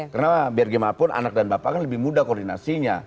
karena biar gimana pun anak dan bapak kan lebih mudah koordinasinya